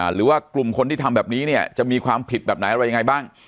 หรือว่ากลุ่มคนที่ทำแบบนี้เนี่ยจะมีความผิดแบบไหนอะไรยังไงบ้าง